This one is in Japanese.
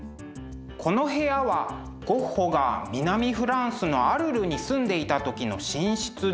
この部屋はゴッホが南フランスのアルルに住んでいた時の寝室です。